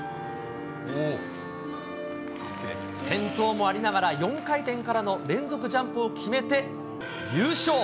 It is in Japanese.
転倒もありながら、４回転からの連続ジャンプを決めて、優勝。